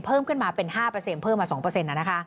เพิ่มขึ้นมาเป็น๕เปอร์เซ็นต์เพิ่มมา๒เปอร์เซ็นต์